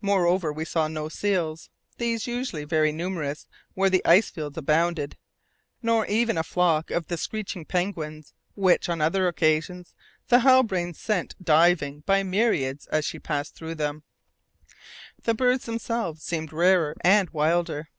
Moreover, we saw no seals these were usually very numerous where the ice fields abounded nor even a flock of the screeching penguins which, on other occasions, the Halbrane sent diving by myriads as she passed through them; the birds themselves seemed rarer and wilder.